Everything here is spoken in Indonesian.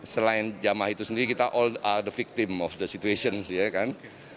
selain jamaah itu sendiri kita all a the victim of the situation sih ya kan